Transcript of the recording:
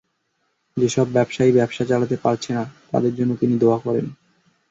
যেসব ব্যবসায়ী ব্যবসা চালাতে পারছে না, তাদের জন্য তিনি দোয়া করেন।